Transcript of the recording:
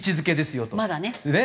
まだね。